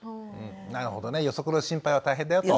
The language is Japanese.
なるほどね予測の心配は大変だよと。